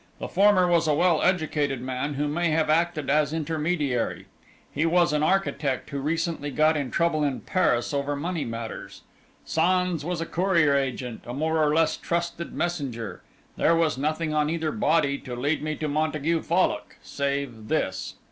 The former was a well educated man, who may have acted as intermediary. He was an architect who recently got into trouble in Paris over money matters. Sans was a courier agent, a more or less trusted messenger. There was nothing on either body to lead me to Montague Fallock, save this."